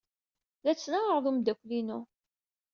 La ttnaɣeɣ ed umeddakel-inu.